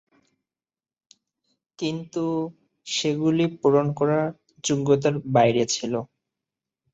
কিন্তু, সেগুলি পূরণ করা যোগ্যতার বাইরে ছিল।